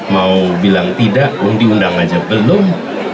mau bilang tidak mau diundang aja belum